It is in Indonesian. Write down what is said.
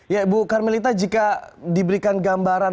ya bu kamelita jika diberikan gambaran